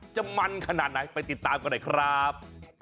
จะมันขนาดไหนไปติดตามกันหน่อยครับ